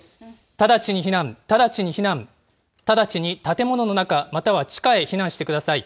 直ちに避難、直ちに避難、直ちに建物の中、または地下へ避難してください。